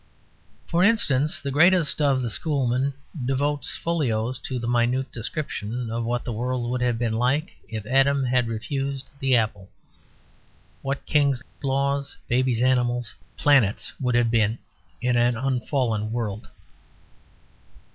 For instance, the greatest of the Schoolmen devotes folios to the minute description of what the world would have been like if Adam had refused the apple; what kings, laws, babies, animals, planets would have been in an unfallen world.